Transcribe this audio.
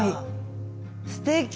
すてき！